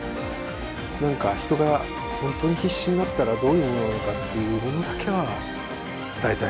なんか人が本当に必死になったらどういうものなのかっていうものだけは伝えたい。